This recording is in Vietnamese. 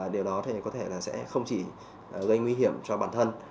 điều đó thì có thể là sẽ không chỉ gây nguy hiểm cho bản thân